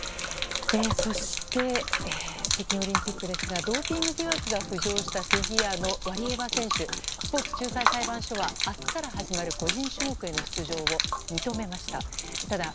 そして、北京オリンピックですがドーピング疑惑が浮上したフィギュアのワリエワ選手スポーツ仲裁裁判所は明日から始まる個人種目への出場を認めました。